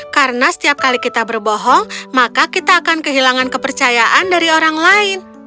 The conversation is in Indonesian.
karena setiap kali kita berbohong maka kita akan kehilangan kepercayaan dari orang lain